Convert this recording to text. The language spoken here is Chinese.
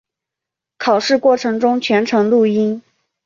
考试过程中全程录音。